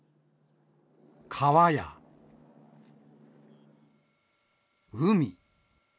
川や海。